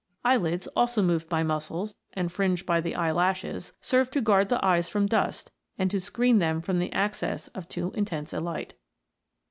Eyelids, also moved by muscles, and fringed by the eyelashes, serve to guard the eyes from dust, and to screen them from the access of too intense a light.